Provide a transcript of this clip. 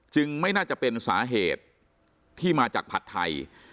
ไม่น่าจะเป็นสาเหตุที่มาจากผัดไทย